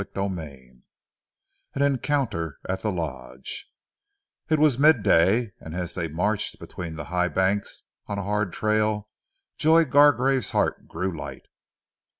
CHAPTER XV AN ENCOUNTER AT THE LODGE IT WAS MID DAY, and as they marched between the high banks on a hard trail, Joy Gargrave's heart grew light.